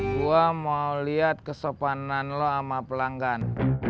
gua mau liat kesopanan lo ama pelanggan